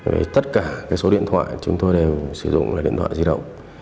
về tất cả số điện thoại chúng tôi đều sử dụng điện thoại di động